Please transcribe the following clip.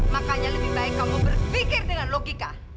makanya lebih baik kamu berpikir dengan logika